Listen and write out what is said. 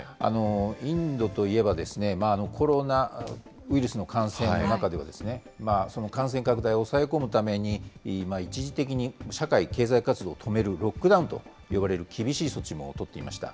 インドといえば、コロナウイルスの感染の中では、感染拡大を抑え込むために、一時的に社会経済活動を止めるロックダウンという厳しい措置も取っていました。